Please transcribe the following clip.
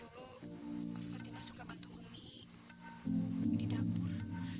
dulu pak fatimah suka bantu umi di dapur